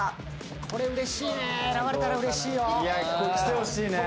これうれしいね